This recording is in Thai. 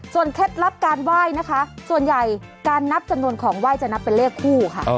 เคล็ดลับการไหว้นะคะส่วนใหญ่การนับจำนวนของไหว้จะนับเป็นเลขคู่ค่ะ